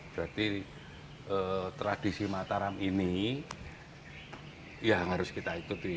berarti tradisi mataram ini yang harus kita ikuti